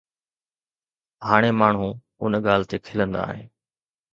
هاڻي ماڻهو ان ڳالهه تي کلندا آهن.